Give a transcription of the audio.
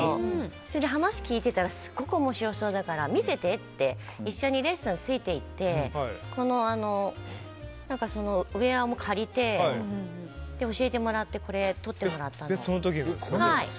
それで話を聞いてたらすごく面白そうだから一緒にレッスンついて行ってウェアも借りて教えてもらってこれ撮ってもらったの。